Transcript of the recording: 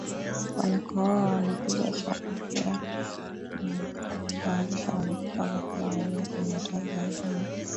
Wanakohoa wanapiga cha afya na kuharisha Wanakufa ghafla Walio kwenye hatari zaidi ni